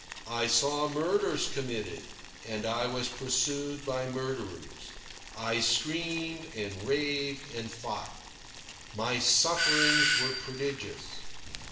I saw murders committed, and I was pursued by murderers. I screamed and raved and fought. My sufferings were prodigious.